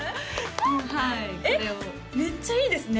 はいこれをめっちゃいいですね